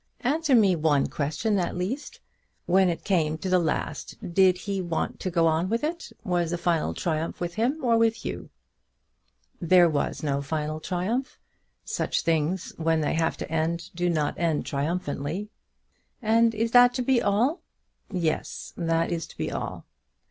"Answer me one question at least: when it came to the last, did he want to go on with it? Was the final triumph with him or with you?" "There was no final triumph. Such things, when they have to end, do not end triumphantly." "And is that to be all?" "Yes; that is to be all."